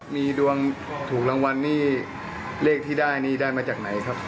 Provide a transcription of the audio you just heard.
มีดวงถูกรางวัลนี่เลขที่ได้นี่ได้มาจากไหนครับ